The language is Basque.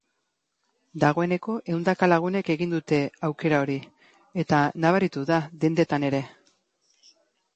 Dagoeneko ehundaka lagunek egin dute aukera hori, eta nabaritu da dendetan ere.